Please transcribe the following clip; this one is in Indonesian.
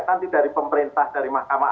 nanti dari pemerintah dari mahkamah